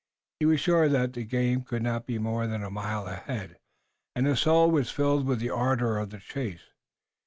He was sure that the game could not be much more than a mile ahead, and his soul was filled with the ardor of the chase.